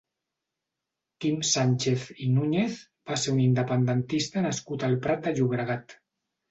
Quim Sànchez i Núñez va ser un independentista nascut al Prat de Llobregat.